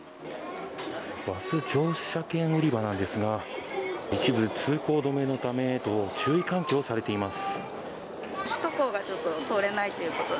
バス乗車券売り場なんですが一部通行止めのためと注意喚起をされています。